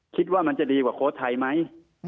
คิดว่ามันจะดีกว่าโค้ชไทยไหม